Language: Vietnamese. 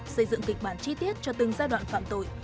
xây dựng kịch bản chi tiết cho từng giai đoạn phạm tội